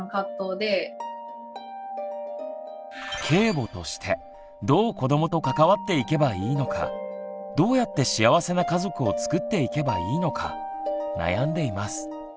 継母としてどう子どもと関わっていけばいいのかどうやって幸せな家族をつくっていけばいいのか悩んでいます。